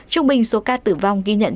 trung bình số ca tử vong ghi nhận